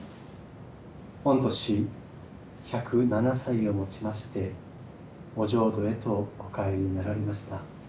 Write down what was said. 御年１０７歳をもちましてお浄土へとお帰りになられました。